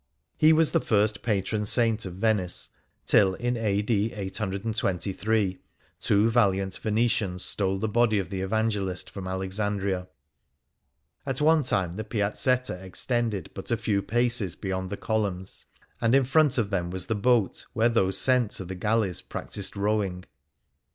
He was the first Patron Saint of Venice, till in a.d. 823, two valiant Venetians stole the body of the Evangelist from Alexandria. At one time the Piazzetta extended but a few paces beyond the columns, and in front of them was the boat where those sent to the galleys practised rowing.